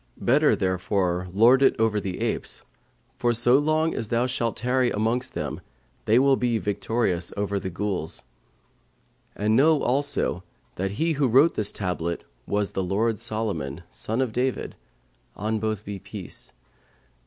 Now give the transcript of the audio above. Better therefore lord it over the apes, for so long as thou shalt tarry amongst them they will be victorious over the Ghuls. And know also that he who wrote this tablet was the lord Solomon, son of David (on both be peace!).'